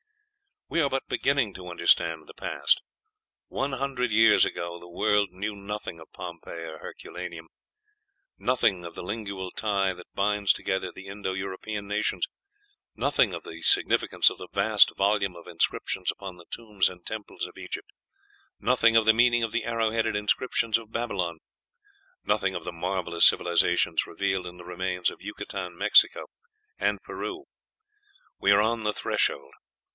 We are but beginning to understand the past: one hundred years ago the world knew nothing of Pompeii or Herculaneum; nothing of the lingual tie that binds together the Indo European nations; nothing of the significance of the vast volume of inscriptions upon the tombs and temples of Egypt; nothing of the meaning of the arrow headed inscriptions of Babylon; nothing of the marvellous civilizations revealed in the remains of Yucatan, Mexico, and Peru. We are on the threshold.